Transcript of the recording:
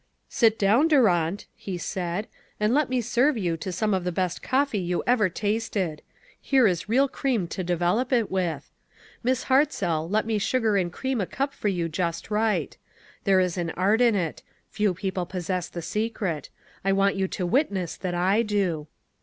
"Sit down, Durant," he said, "and let mt serve you to some of the best coffee you ever tasted ; here is real cream to de IOO ONE COMMONPLACE DAY. velop it with. Miss Hartzell, let me sugar and cream a cup for you just right. There is an art in it ; few people possess the se cret. I want you to witness that I do."